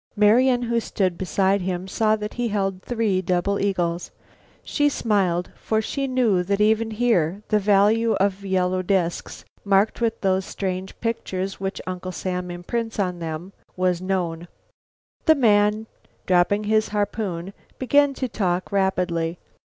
Marian, who stood beside him, saw that he held three double eagles. She smiled, for she knew that even here the value of yellow disks marked with those strange pictures which Uncle Sam imprints upon them was known. The man, dropping his harpoon, began to talk rapidly.